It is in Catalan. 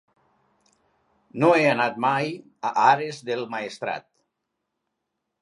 No he anat mai a Ares del Maestrat.